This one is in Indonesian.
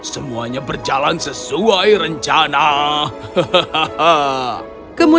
semuanya berjalan sesuai rejeki